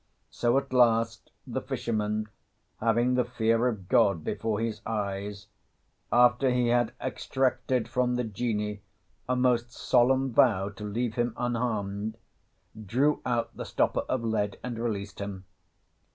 So at last, the fisherman, having the fear of God before his eyes, after he had extracted from the Genie a most solemn vow to leave him unharmed, drew out the stopper of lead and released him.